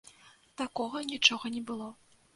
Такога нічога не было.